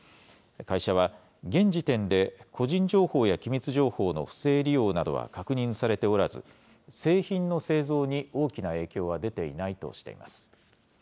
会社は、現時点で個人情報や機密情報の不正利用などは確認されておらず、製品の製造に大きな影響は出ていないとしています。